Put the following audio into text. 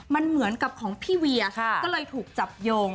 มันเหมือนกับของพี่เวียก็เลยถูกจับโยง